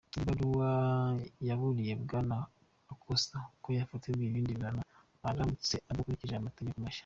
Iyo baruwa yaburiye Bwana Acosta ko yafatirwa ibindi bihano aramutse adakurikije ayo mategeko mashya.